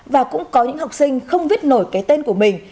và cũng có những học sinh không viết nổi cái tên của mình